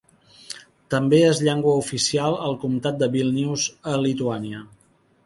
També és llengua oficial al comtat de Vílnius, a Lituània.